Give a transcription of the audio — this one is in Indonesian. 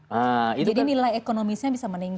wah jadi nilai ekonomisnya bisa meningkat